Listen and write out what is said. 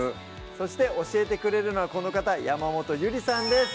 そして教えてくれるのはこの方山本ゆりさんです